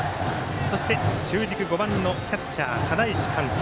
そして、中軸５番のキャッチャー、只石貫太。